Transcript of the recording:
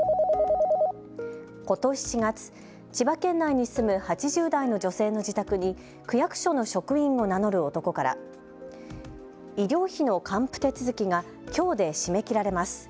ことし４月、千葉県内に住む８０代の女性の自宅に区役所の職員を名乗る男から医療費の還付手続きがきょうで締め切られます。